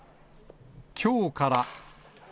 きょうから。